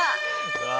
うわ！